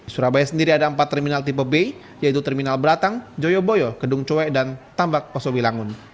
surabaya sendiri ada empat terminal tipe b yaitu terminal beratang joyoboyo gedung cowe dan tambak pasuwilang